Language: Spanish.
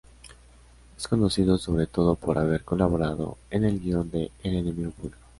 Es conocido sobre todo por haber colaborado en el guion de "El enemigo público".